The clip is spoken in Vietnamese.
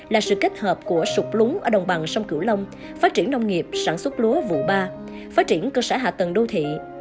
là sự kết hợp của sụp lúng ở đồng bằng sông cửu long phát triển nông nghiệp sản xuất lúa vụ ba phát triển cơ sở hạ tầng đô thị